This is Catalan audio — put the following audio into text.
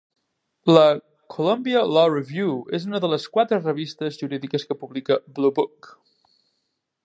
La "Columbia Law Review" és una de les quatre revistes jurídiques que publica "Bluebook".